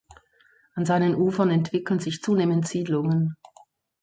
An seinen Ufern entwickeln sich zunehmend Siedlungen.